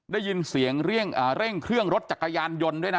ได้ยินเสียงเร่งเครื่องรถจักรยานยนต์ด้วยนะ